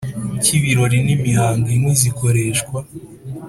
Cy ibirori n imihango inkwi zikoreshwa